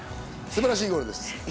素晴らしいゴールです。